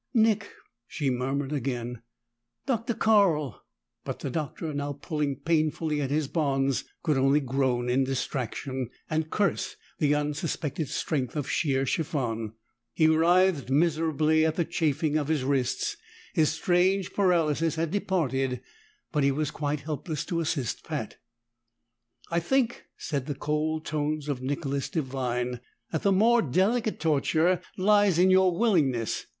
"Nick!" she murmured again. "Dr. Carl!" But the Doctor, now pulling painfully at his bonds, could only groan in distraction, and curse the unsuspected strength of sheer chiffon. He writhed miserably at the chafing of his wrists; his strange paralysis had departed, but he was quite helpless to assist Pat. "I think," said the cold tones of Nicholas Devine, "that the more delicate torture lies in your willingness.